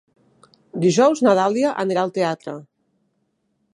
Dijous na Dàlia anirà al teatre.